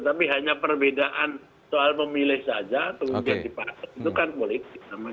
tapi hanya perbedaan soal pemilih saja kemudian dipakai itu kan politik namanya